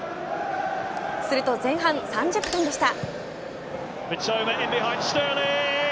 すると前半３０分でした。